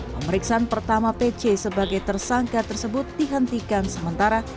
pemeriksaan pertama pc sebagai tersangka tersebut dihentikan sementara